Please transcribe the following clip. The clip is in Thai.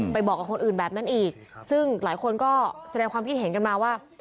บอกกับคนอื่นแบบนั้นอีกซึ่งหลายคนก็แสดงความคิดเห็นกันมาว่า